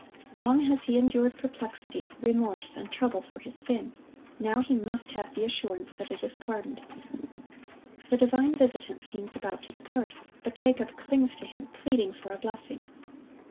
Long has he endured perplexity, remorse, and trouble for his sin; now he must have the assurance that it is pardoned. The divine visitant seems about to depart; but Jacob clings to Him, pleading for a blessing.